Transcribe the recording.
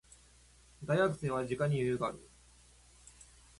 大学生は時間に余裕がある。